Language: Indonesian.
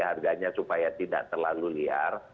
harganya supaya tidak terlalu liar